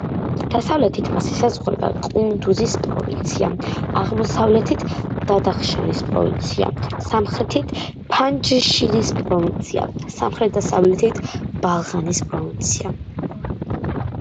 დასავლეთით მას ესაზღვრება ყუნდუზის პროვინცია, აღმოსავლეთით ბადახშანის პროვინცია, სამხრეთით ფანჯშირის პროვინცია, სამხრეთ-დასავლეთით ბაღლანის პროვინცია.